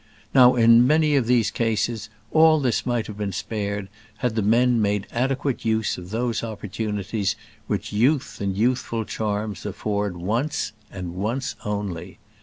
Now, in many of these cases, all this might have been spared had the men made adequate use of those opportunities which youth and youthful charms afford once and once only.